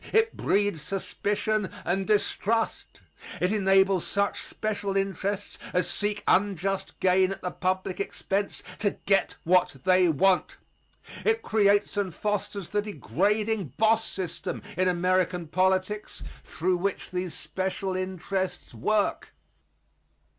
It breeds suspicion and distrust. It enables such special interests as seek unjust gain at the public expense to get what they want. It creates and fosters the degrading boss system in American politics through which these special interests work.